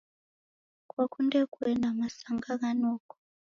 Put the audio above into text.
Kwakunde kuenda masanga gha noko?